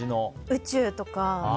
宇宙とか。